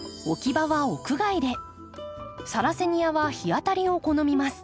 サラセニアは日当たりを好みます。